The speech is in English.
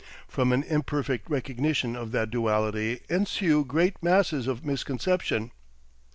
From an imperfect recognition of that duality ensue great masses of misconception.